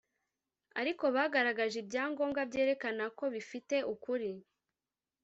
ariko bagaragaje ibyangombwa byerekana ko bifite ukuri